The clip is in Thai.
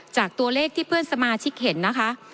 จากตัวเลขที่เพื่อนสมาชิกเห็นนะคะ